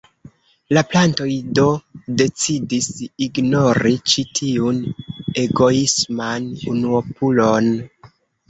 La plantoj do decidis ignori ĉi tiun egoisman unuopulon.